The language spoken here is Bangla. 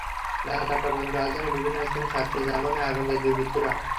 রাত আটটা পর্যন্ত রাজধানীর বিভিন্ন স্থানে সাতটি যানবাহনে আগুন দেয় দুর্বৃত্তরা।